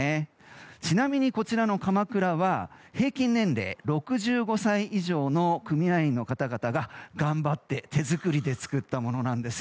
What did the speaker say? ちなみに、こちらのかまくらは平均年齢６５歳以上の組合員の方々が頑張って手作りで作ったものなんです。